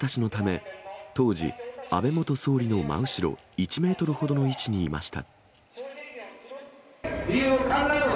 マイクの受け渡しのため、当時、安倍元総理の真後ろ１メートルほどの位置にいました。